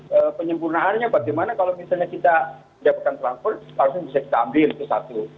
tapi tadi penyempurnaannya bagaimana kalau misalnya kita mendapatkan transport harusnya bisa kita ambil itu satu